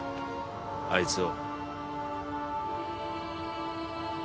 あいつを。